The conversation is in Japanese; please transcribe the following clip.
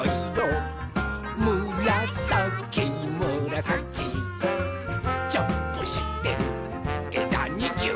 「むらさきむらさき」「ジャンプしてえだにぎゅう！」